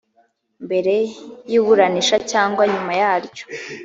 mbere y iburanisha cyangwa nyuma yaryo